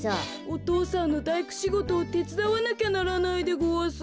お父さんのだいくしごとをてつだわなきゃならないでごわす。